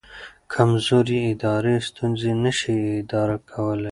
کمزوري ادارې ستونزې نه شي اداره کولی.